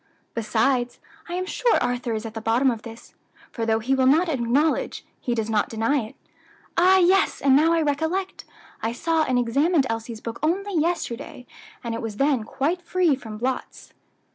Besides, I am sure Arthur is at the bottom of this, for though he will not acknowledge, he does not deny it. Ah! yes, and now I recollect, I saw and examined Elsie's book only yesterday, and it was then quite free from blots."